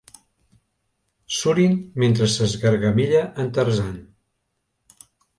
Surin mentre s'esgargamella en Tarzan.